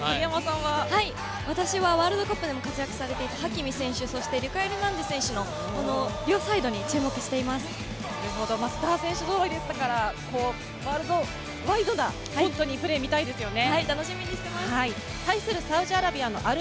私はワールドカップでも活躍していたハキミ選手、リュカ・エルナンデスの両サイドに注目スター選手ぞろいですから、ワールドワイドのプレーを見たいですね。